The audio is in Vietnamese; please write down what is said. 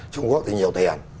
trung quốc thì nhiều tiền